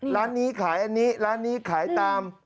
ร้านนี้ขายอันนี้ร้านนี้ขายตาม